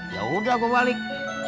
yaudah gue balik